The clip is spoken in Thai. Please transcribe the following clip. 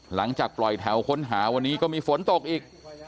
หลังจากปล่อยแถวค้นหาวันนี้ก็มีฝนตกอีก